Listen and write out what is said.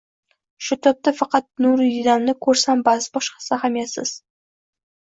Shu tobda faqat nuridiydamni ko`rsam bas, boshqasi ahamiyatsiz